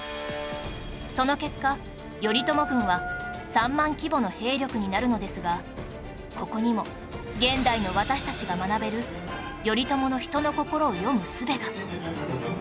その結果頼朝軍は３万規模の兵力になるのですがここにも現代の私たちが学べる頼朝の人の心を読む術が